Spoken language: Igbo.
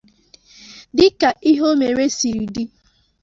dịka ihe o mere siri dị